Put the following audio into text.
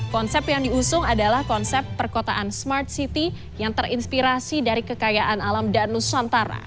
konsep yang diusung adalah konsep perkotaan smart city yang terinspirasi dari kekayaan alam dan nusantara